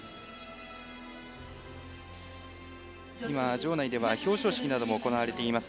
場内では、表彰式なども行われています。